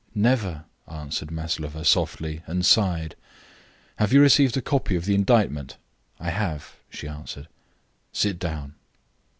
"Never," answered Maslova, softly, and sighed. "Have you received a copy of the indictment?" "I have," she answered. "Sit down."